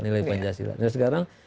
nilai pancasila nah sekarang